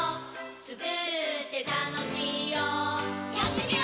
つくるってたのしいよやってみよー！